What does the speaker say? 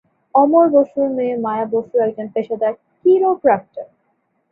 অমর বসুর মেয়ে, মায়া বসু একজন পেশাদার কিরোপ্রাকটর।